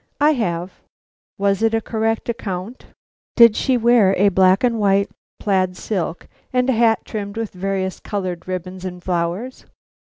"I have." "Was it a correct account? Did she wear a black and white plaid silk and a hat trimmed with various colored ribbons and flowers?"